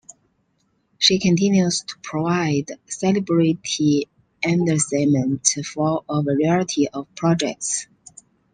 She continues to provide celebrity endorsement for a variety of projects.